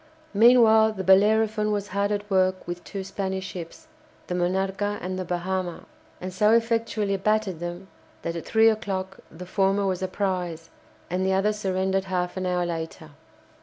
Meanwhile the "Bellerophon" was hard at work with two Spanish ships, the "Monarca" and the "Bahama," and so effectually battered them that at three o'clock the former was a prize, and the other surrendered half an hour later.